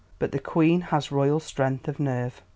But the Queen has royal strength of nerve."